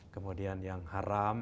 kemudian yang haram